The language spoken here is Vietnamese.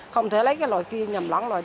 không thể lấy cái loại kia nhầm lắng